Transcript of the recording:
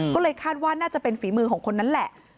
ก็เลยคาดว่าน่าจะเป็นฝีมือของคนนั้นแหละ